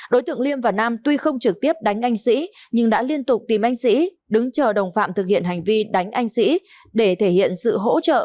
đối tượng liêm và nam tuy không trực tiếp đánh anh sĩ nhưng đã liên tục tìm anh sĩ đứng chờ đồng phạm thực hiện hành vi đánh anh sĩ để thể hiện sự hỗ trợ